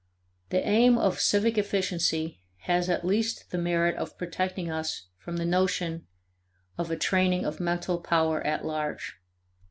The aim of civic efficiency has at least the merit of protecting us from the notion of a training of mental power at large.